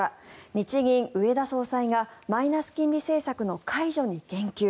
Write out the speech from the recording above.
日銀、植田総裁がマイナス金利政策の解除に言及。